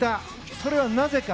それはなぜか。